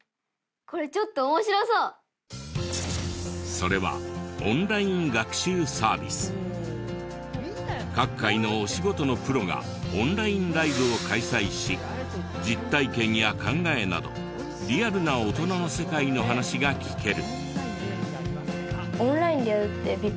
それは各界のお仕事のプロがオンラインライブを開催し実体験や考えなどリアルな大人の世界の話が聞ける。